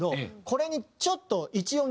これにちょっと１音